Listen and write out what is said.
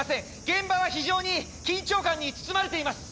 現場は非常に緊張感に包まれています！